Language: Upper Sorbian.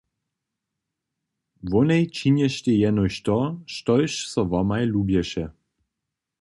Wonej činještej jenož to, štož so wamaj lubješe.